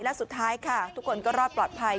และสุดท้ายค่ะทุกคนก็รอดปลอดภัย